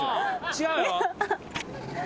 違うよ。